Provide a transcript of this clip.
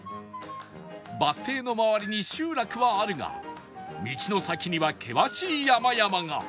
バス停の周りに集落はあるが道の先には険しい山々が